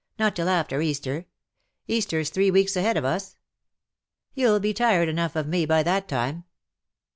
Not till after Easter. Easter's three weeks ahead of us. You'll be tired enough of me by that time.'